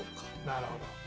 なるほど。